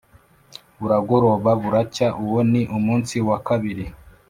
Buragoroba buracya, uwo ni umunsi wa kabiri.